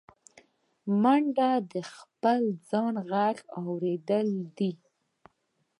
منډه د خپل ځان غږ اورېدل دي